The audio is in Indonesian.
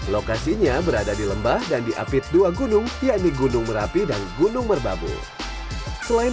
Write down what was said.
lokasinya berada di lembah dan diapit dua gunung yakni gunung merapi dan gunung merbabu selain